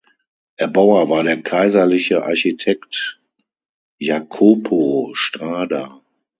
Erbauer war der kaiserliche Architekt Jacopo Strada.